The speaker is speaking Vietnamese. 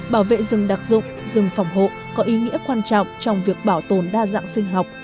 bảo vệ rừng đặc dụng rừng phòng hộ có ý nghĩa quan trọng trong việc bảo tồn đa dạng sinh học